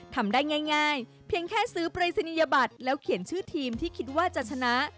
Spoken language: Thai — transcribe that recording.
ทำได้ง่ายเพียงแค่ซื้อปรายศนียบัตรแล้วเขียนชื่อทีมที่คิดว่าจะชนะ